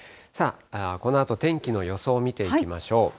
このあと天気の予想見ていきましょう。